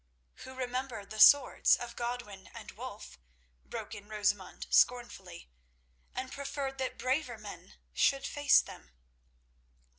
"Who remembered the swords of Godwin and Wulf," broke in Rosamund scornfully, "and preferred that braver men should face them."